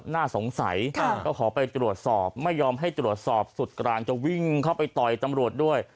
น่าสงสัยก็ขอไปตรวจสอบไม่ยอมให้ตรวจสอบสุดกลางจะวิ่งเข้าไปต่อยตำรวจด้วย